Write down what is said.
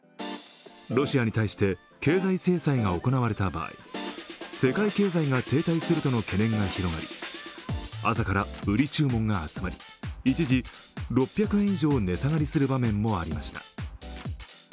ロシアに対して経済制裁が行われた場合、世界経済が停滞するとの懸念が広がり朝から売り注文が集まり一時６００円以上値下がりする場面もありました。